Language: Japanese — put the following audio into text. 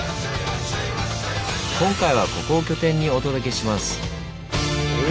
今回はここを拠点にお届けします。